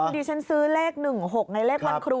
ดิฉันซื้อเลข๑๖ในเลขวันครู